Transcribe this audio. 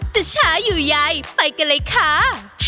จะช้าอยู่ใยไปกันเลยค่ะ